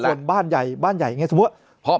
ส่วนบ้านใหญ่บ้านใหญ่อย่างนี้สมมุติพอ